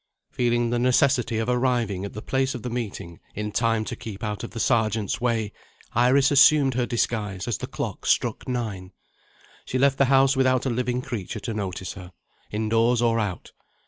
Feeling the necessity of arriving at the place of meeting, in time to keep out of the Sergeant's way, Iris assumed her disguise as the clock struck nine. She left the house without a living creature to notice her, indoors or out.